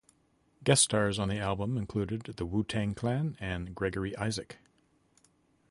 Guest stars on the album included the Wu-Tang Clan and Gregory Isaac.